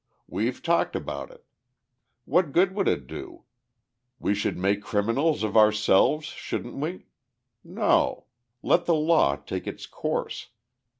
We've talked about it. What good would it do? We should make criminals of ourselves, shouldn't we? No, let the law take its course.